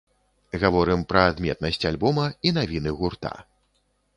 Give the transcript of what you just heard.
Гаворым пра адметнасць альбома і навіны гурта.